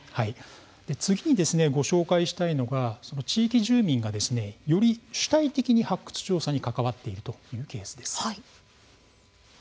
次にご紹介したいのが地域住民がより主体的に発掘調査に関わっているケースです。